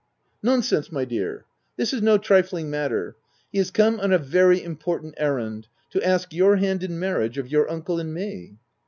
" Nonsense, my dear ! this is no trifling matter. He is come on a very important errand — to ask your hand in marriage, of your uncle and me."